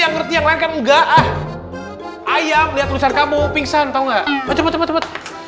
yang ngerti yang lain kan enggak ah ayam lihat tulisan kamu pingsan tahu enggak cepet cepet cepet